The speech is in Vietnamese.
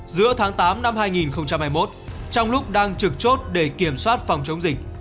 giữa tháng tám năm hai nghìn hai mươi một trong lúc đang trực chốt để kiểm soát phòng chống dịch